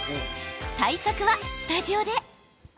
対策はスタジオで。